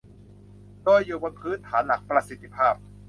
โดยอยู่บนพื้นฐานหลักประสิทธิภาพ